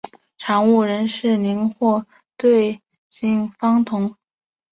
产物仍然是邻或对羟基芳酮。